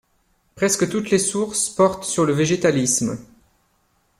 Presque toutes les sources portent sur le végétalisme.